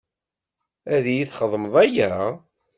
Ad iyi-txedmeḍ aya?